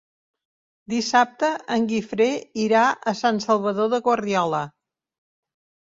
Dissabte en Guifré irà a Sant Salvador de Guardiola.